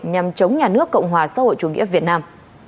nhằm chống nhà nước cộng hòa xã hội chủ nghĩa việt nam